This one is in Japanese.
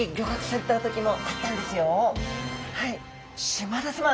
嶋田さま